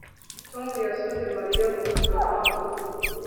Tom yasomye Mariya ku gahanga